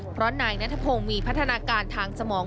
เพราะนายนัทพงศ์มีพัฒนาการทางสมอง